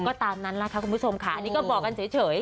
ก็ตามนั้นแหละค่ะคุณผู้ชมค่ะอันนี้ก็บอกกันเฉย